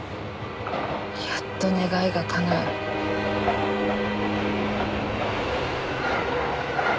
やっと願いがかなう。